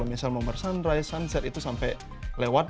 misal mau ber sunrise sunset itu sampai lewat